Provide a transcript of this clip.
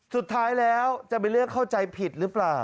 สุดท้ายแล้วจะไปเลือกเข้าใจผิดหรือเปล่า